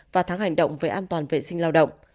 và tháng hành động về an toàn vệ sinh lao động